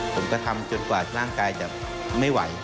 ผมก็ทำจนกว่าร่างกายจะไม่ไหว